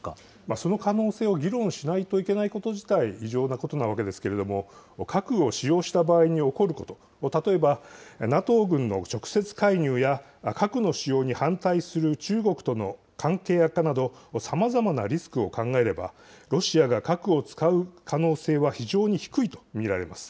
その可能性を議論しないといけないこと自体、異常なことなわけですけれども、核を使用した場合に起こること、例えば、ＮＡＴＯ軍の直接介入や、核の使用に反対する中国との関係悪化など、さまざまなリスクを考えれば、ロシアが核を使う可能性は非常に低いと見られます。